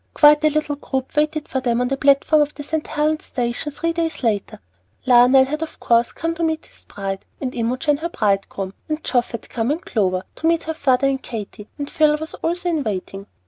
Quite a little group waited for them on the platform of the St. Helen's station three days later. Lionel had of course come in to meet his bride, and Imogen her bridegroom; and Geoff had come, and Clover, to meet her father and Katy, and Phil was also in waiting.